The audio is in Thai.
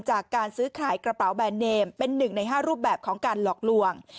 จากการซื้อขายกระเป๋าแบรนดเนมเป็น๑ใน๕รูปแบบของการหลอกลวง